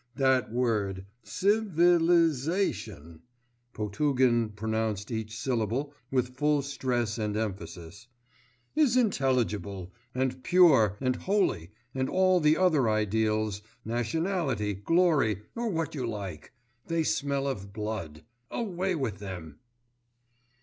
That word, ci vi li sa tion (Potugin pronounced each syllable with full stress and emphasis), is intelligible, and pure, and holy, and all the other ideals, nationality, glory, or what you like they smell of blood.... Away with them!